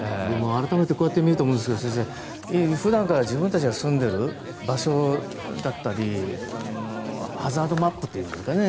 改めてこうやって見ると先生、普段から自分たちが住んでる場所だったりハザードマップっていうんですかね